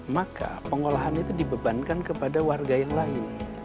maka pengolahan itu dibebankan kepada warga yang lain